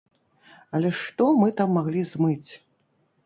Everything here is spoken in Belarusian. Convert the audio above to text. Але што мы там маглі змыць!